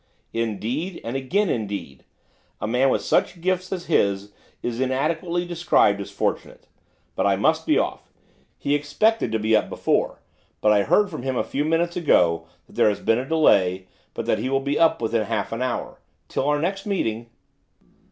'Indeed, and again indeed. A man with such gifts as his is inadequately described as fortunate. But I must be off. He expected to be up before, but I heard from him a few minutes ago that there has been a delay, but that he will be up within half an hour. Till our next meeting.